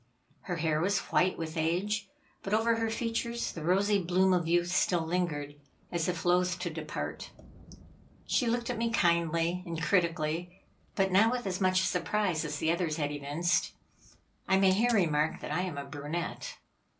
Her hair was white with age, but over her features, the rosy bloom of youth still lingered, as if loth to depart. She looked at me kindly and critically, but not with as much surprise as the others had evinced. I may here remark that I am a brunette.